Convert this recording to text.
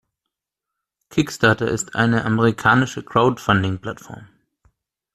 Kickstarter ist eine amerikanische Crowdfunding-Plattform.